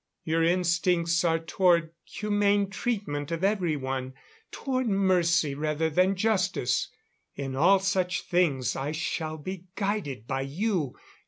Your instincts are toward humane treatment of everyone toward mercy rather than justice. In all such things, I shall be guided by you.